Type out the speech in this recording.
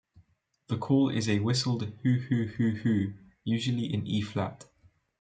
The call is a whistled "hoo-hoo-hoo-hoo", usually in E flat.